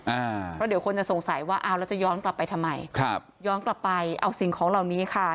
อ่าเพราะเดี๋ยวคนจะสงสัยว่าอ้าวแล้วจะย้อนกลับไปทำไมครับย้อนกลับไปเอาสิ่งของเหล่านี้ค่ะ